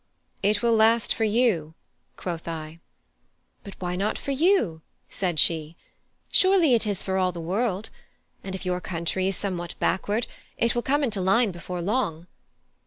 "It will last for you," quoth I. "But why not for you?" said she. "Surely it is for all the world; and if your country is somewhat backward, it will come into line before long.